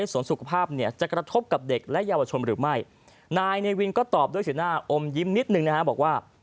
ส่วนสุขภาพเนี่ยจะกระทบกับเด็กและเยาวชนหรือไม่นายเนวินก็ตอบด้วยสีหน้าอมยิ้มนิดหนึ่งนะฮะบอกว่า